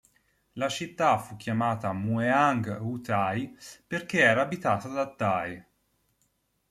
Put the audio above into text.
La città fu chiamata Mueang U-Thai perché era abitata da Thai.